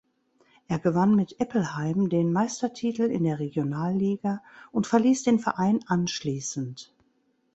Er gewann mit Eppelheim den Meistertitel in der Regionalliga und verließ den Verein anschließend.